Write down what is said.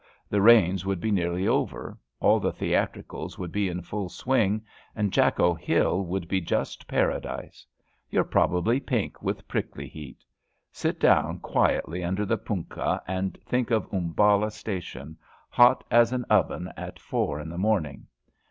The rains would be nearly over, all the theatricals would be in full swing, and Jakko Hill would be just Paradise. You're probably pink with prickly heat. Sit down quietly under the punkah and think of Umballa station, hot as an oven at four in the morning.